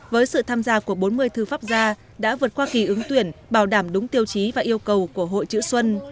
với sự tham gia của bốn mươi thư pháp gia đã vượt qua kỳ ứng tuyển bảo đảm đúng tiêu chí và yêu cầu của hội chữ xuân